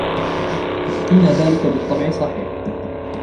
إن ذلك بالطبع صحيح.